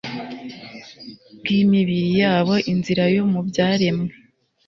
bwimibiri yabo Inzira yo mu Byaremwe